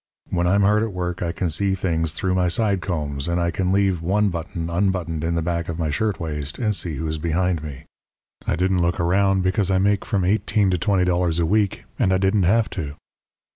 When I'm hard at work I can see things through my side combs; and I can leave one button unbuttoned in the back of my shirtwaist and see who's behind me. I didn't look around, because I make from eighteen to twenty dollars a week, and I didn't have to.